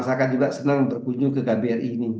jadi masakan juga senang berkunjung ke kbri ini